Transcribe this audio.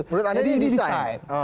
menurut anda ini desain